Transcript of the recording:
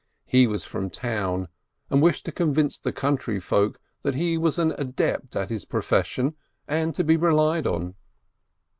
He was from town, and wished to convince the country folk that he was an adept at his profession and to be relied on.